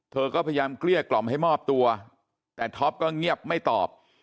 เธอก็พยายามเกลี้ยกล่อมให้มอบตัวแต่ท็อปก็เงียบไม่ตอบ